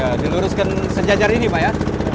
ya diluruskan sejajar ini pak ya